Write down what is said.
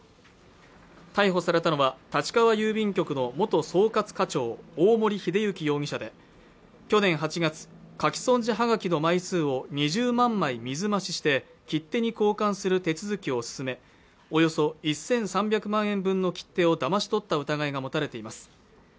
逮捕されたのは立川郵便局の元総括課長大森秀之容疑者で去年８月、書き損じハガキの枚数を２０万枚水増しして切手に交換する手続きを進めおよそ１３００万円分の切手をだまし取った疑いが持たれています